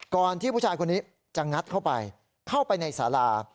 ที่ผู้ชายคนนี้จะงัดเข้าไปเข้าไปในสารา